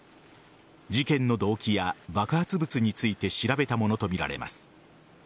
事件の動機や爆発物について調べたものとみられます。